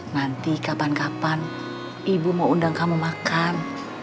nanti kapan kapan ibu mau undang kamu makan